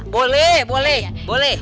boleh boleh boleh